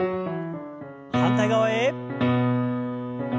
反対側へ。